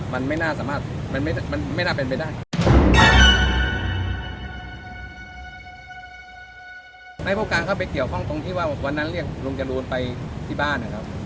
แล่าให้เปิดการเข้าไปเกี่ยวข้องพวกรุงจารวลไปที่บ้าน